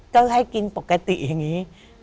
ก็ให้กินปกติอย่างนี้